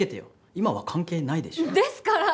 今は関係ないでしょですから！